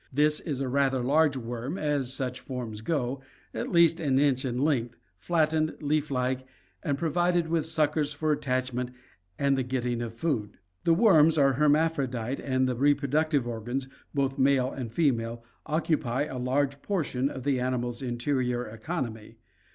This is a rather large worm, as such forms go, at least an inch in length, flattened, leaf like, and pro 272 ORGANIC EVOLUTION vided with suckers for attachment and the getting of food. The worms are hermaphrodite and the reproductive organs, both male and female, occupy a large portion of the animal's interior economy.